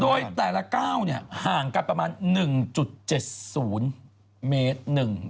โดยแต่ละก้าวห่างกันประมาณ๑๗๐เมตร